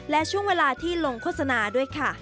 และช่วงเวลาที่ลงโฆษณาด้วยค่ะ